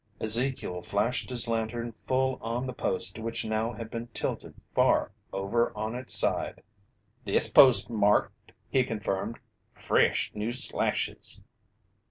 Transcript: Ezekiel flashed his lantern full on the post which now had been tilted far over on its side. "The post's marked," he confirmed. "Fresh new slashes."